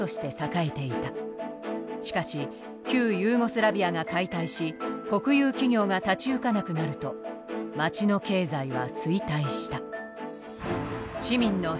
しかし旧ユーゴスラビアが解体し国有企業が立ち行かなくなると街の経済は衰退した。